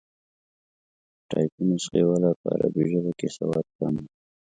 ټایپي نسخې والا په عربي ژبه کې سواد کم وو.